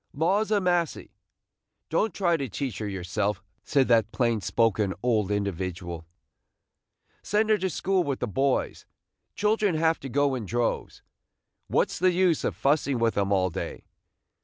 "Laws a massy! don't try to teach her yourself," said that plain spoken old individual, – "send her to school with the boys. Children have to go in droves. What 's the use of fussing with 'em all day?